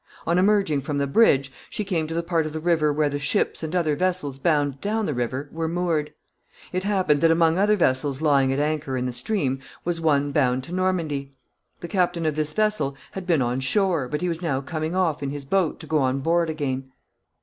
On emerging from the bridge, she came to the part of the river where the ships and other vessels bound down the river were moored. It happened that among other vessels lying at anchor in the stream was one bound to Normandy. The captain of this vessel had been on shore, but he was now coming off in his boat to go on board again.